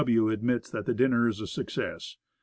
W. admits that the dinner is a success.